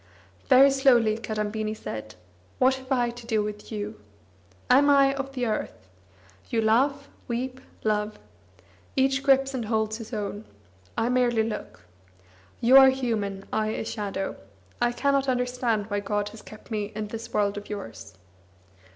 Very slowly Kadambini said: "What have I to do with you? Am I of the earth? You laugh, weep, love; each grips and holds his own; I merely look. You are human, I a shadow. I cannot understand why God has kept me in this world of yours."